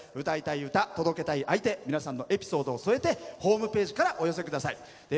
歌いたい歌、届けたい相手皆さんのエピソードを添えてホームページからお寄せください。